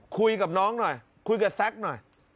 คุยกับน้องหน่อยคุยกับแซคหน่อย